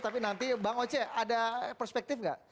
tapi nanti bang oce ada perspektif nggak